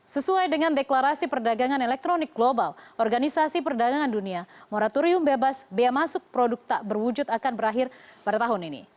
sesuai dengan deklarasi perdagangan elektronik global organisasi perdagangan dunia moratorium bebas bea masuk produk tak berwujud akan berakhir pada tahun ini